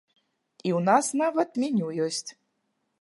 І ў нас нават меню ёсць.